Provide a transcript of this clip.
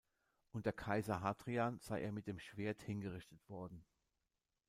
Unter Kaiser Hadrian sei er mit dem Schwert hingerichtet worden.